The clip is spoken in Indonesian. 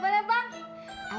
boleh boleh bang